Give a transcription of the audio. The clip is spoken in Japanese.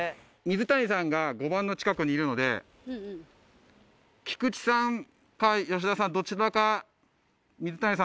水谷さんが５番の近くにいるので菊池さんか吉田さん。